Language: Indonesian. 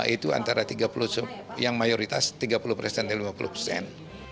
itu antara tiga puluh sub yang mayoritas tiga puluh persen dan lima puluh persen